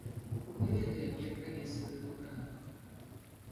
Мы ведаем, як правесці гэту грань.